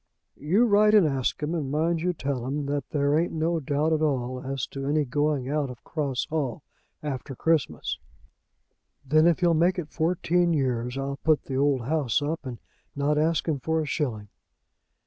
"You write and ask him, and mind you tell him that there ain't no doubt at all as to any going out of Cross Hall after Christmas. Then, if he'll make it fourteen years, I'll put the old house up and not ask him for a shilling.